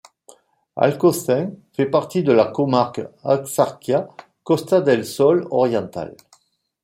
Alcaucín fait partie de la comarque Axarquía - Costa del Sol Oriental.